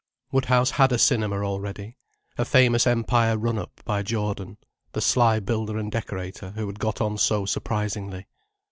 Woodhouse had a cinema already: a famous Empire run up by Jordan, the sly builder and decorator who had got on so surprisingly.